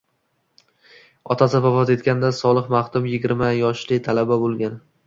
Otasi vafot etganda Solih maxdum “yigirma yoshlik talaba” bo’lgan.